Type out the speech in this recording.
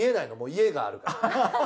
家があるから。